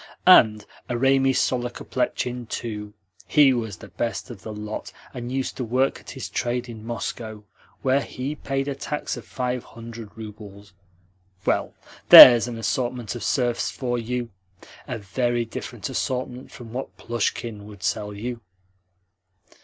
And Eremi Sorokoplechin, too! He was the best of the lot, and used to work at his trade in Moscow, where he paid a tax of five hundred roubles. Well, THERE'S an assortment of serfs for you! a very different assortment from what Plushkin would sell you!"